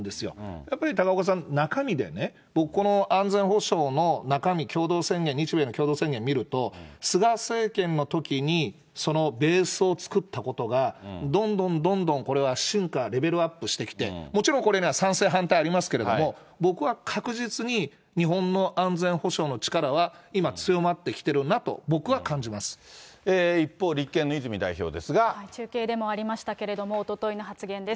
やっぱり高岡さん、中身でね、僕、この安全保障の中身、共同宣言、日米の共同宣言見ると、菅政権のときにそのベースを作ったことが、どんどんどんどん、これは進化、レベルアップしてきて、もちろんこれには賛成反対ありますけれども、僕は確実に日本の安全保障の力は今、強まってきているなと、一方、中継でもありましたけれども、おとといの発言です。